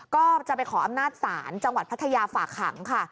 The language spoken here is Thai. ก็จะไปขออำนาจศาลจังหวัดพัทยาฝากขังค่ะ